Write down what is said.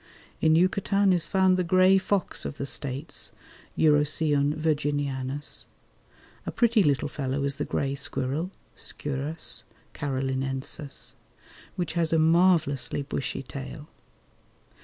In Yucatan is found the grey fox of the States (Urocyon virginianus). A pretty little fellow is the grey squirrel (Sciurus carolinensis), which has a marvellously bushy tail.